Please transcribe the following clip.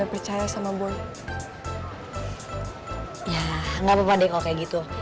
mata bersih tapi hatinya kotor